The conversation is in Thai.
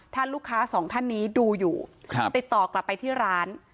ถ้าลูกค้าสองท่านนี้ดูอยู่ติดต่อกลับไปที่ร้าน